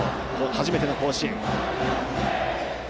初めての甲子園。